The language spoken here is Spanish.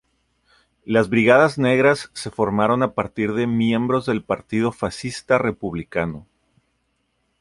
Las Brigadas Negras se formaron a partir de miembros del Partido Fascista Republicano.